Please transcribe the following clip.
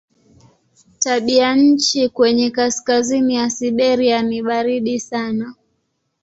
Tabianchi kwenye kaskazini ya Siberia ni baridi sana.